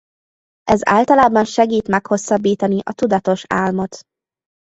Ez általában segít meghosszabbítani a tudatos álmot.